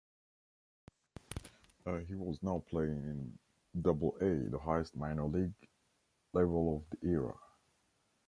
He was now playing in double-A, the highest minor league level of the era.